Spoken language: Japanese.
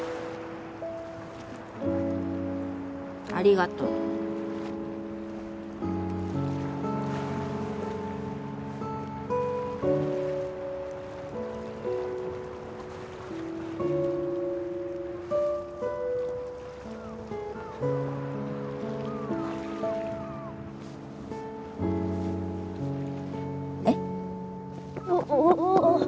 ありがとう。えっ？ああ。